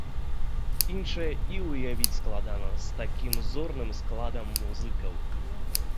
Іншае і ўявіць складана, з такім зорным складам музыкаў.